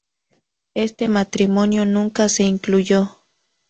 Este matrimonio nunca se concluyó.